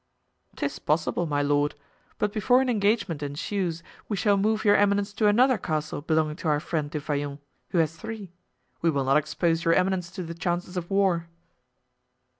"'Tis possible; my lord; but before an engagement ensues we shall move your eminence to another castle belonging to our friend Du Vallon, who has three. We will not expose your eminence to the chances of war."